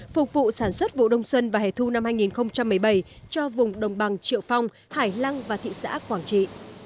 phục vụ sản xuất vụ đông xuân và hẻ thu năm hai nghìn một mươi bảy cho vùng đồng bằng triệu phong hải lăng và thị xã quảng trị